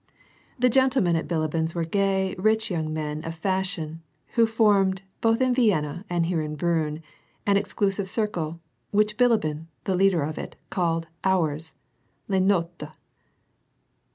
The gentlemen at Bilibin's were gay, rich young men of fash ion, who formed, both in Vienna and here in Briinn, an exclus ive circle, which Bilibin, the leader of it, called " ours," les iiotres.